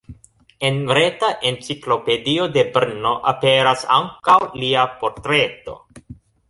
En reta Enciklopedio de Brno aperas ankaŭ lia portreto.